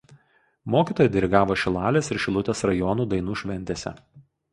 Mokytoja dirigavo Šilalės ir Šilutės rajonų dainų šventėse.